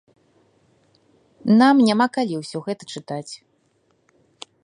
Нам няма калі ўсё гэта чытаць.